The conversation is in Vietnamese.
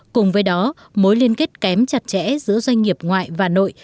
cùng với đó mối liên kết kém chặt chẽ giữa doanh nghiệp ngoại và nội